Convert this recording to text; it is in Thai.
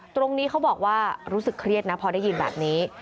ตรงนี้เขาบอกว่ารู้สึกเครียดนะพอได้ยินแบบนี้